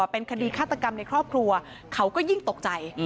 เป็นคดีฆาตกรรมในครอบครัวเขาก็ยิ่งตกใจ